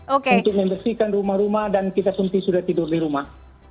untuk membersihkan rumah rumah dan kita sunti sudah tidur di rumah